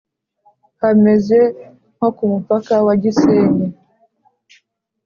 Hameze nko ku mupaka wa Gisenyi